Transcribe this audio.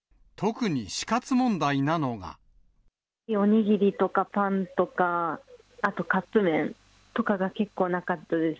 お握りとかパンとか、あとカップ麺とかが、結構なかったです。